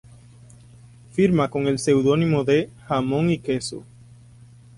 Firma con el pseudónimo de "Jamón y Queso".